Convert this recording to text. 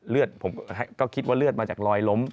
ผมก็คิดว่าเลือดมาจากรอยล้ม